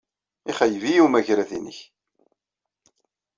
Ixeyyeb-iyi umagrad-nnek.